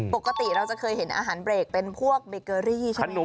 ปกติเราจะเคยเห็นอาหารเบรกเป็นพวกเบเกอรี่ใช่ไหมคะ